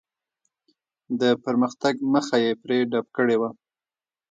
د پرمختګ مخه یې پرې ډپ کړې وه.